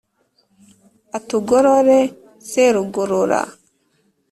atugorore serugorora,